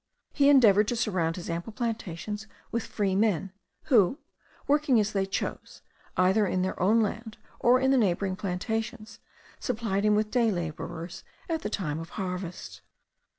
He endeavoured to surround his ample plantations with freemen, who, working as they chose, either in their own land or in the neighbouring plantations, supplied him with day labourers at the time of harvest.